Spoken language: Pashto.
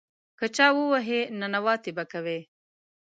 که چا ووهې، ننواتې به کوې.